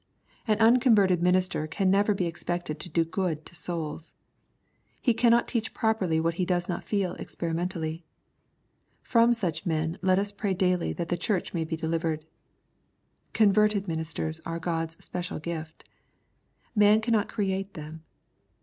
An unconverted minister can never be expected to do good to souls. He cannot teach properly what he does not feel experimentally. From such men let us pray daily that the Church may be delivered. Converted ministers are God's special gift. Man cannot create them.